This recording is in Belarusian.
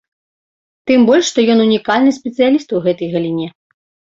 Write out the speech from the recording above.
Тым больш, што ён унікальны спецыяліст у гэтай галіне.